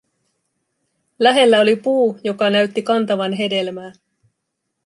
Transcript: Lähellä oli puu, joka näytti kantavan hedelmää.